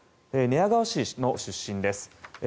寝屋川市の出身です。